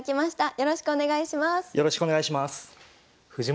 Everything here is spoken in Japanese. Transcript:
よろしくお願いします。